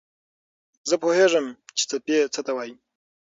زه پوهېږم چې څپې څه ته وايي.